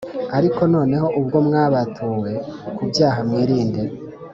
Ariko noneho ubwo mwabatuwe ku byaha mwirinde